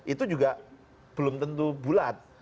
itu juga belum tentu bulat